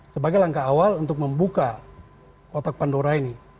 sebagai langkah awal untuk membuka otak pandora ini